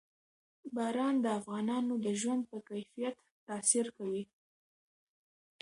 باران د افغانانو د ژوند په کیفیت تاثیر کوي.